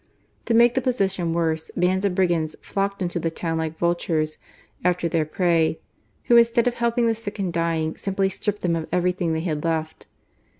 To make the position worse, bands of brigands flocked into ^e town like vultures after their prey, who, instead of helping the sick and dying, simply stripped them of everything they had left.